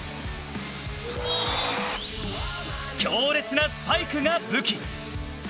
強烈なスパイクが武器